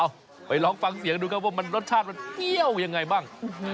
อ้าวก็ลองฟังเสียงดูเขาคงีว่ามันรสชาติเปรี้ยวยังไงบ้าง